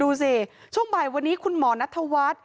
ดูสิช่วงบ่ายวันนี้คุณหมอนัทวัฒน์